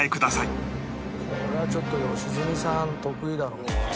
これはちょっと良純さん得意だろうな。